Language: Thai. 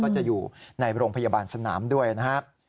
จะอยู่ในโรงพยาบาลสนามด้วยนะครับ